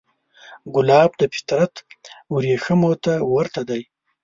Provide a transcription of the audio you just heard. ګلاب د فطرت وریښمو ته ورته دی.